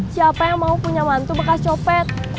siapa yang mau punya mantu bekas copet